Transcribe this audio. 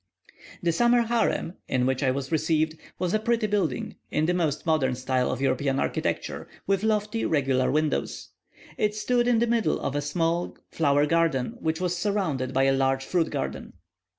The summer harem, in which I was received, was a pretty building, in the most modern style of European architecture, with lofty, regular windows. It stood in the middle of a small flower garden, which was surrounded by a large fruit garden.